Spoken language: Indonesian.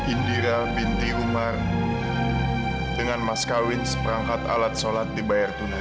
indiral binti umar dengan mas kawin seperangkat alat sholat dibayar tunai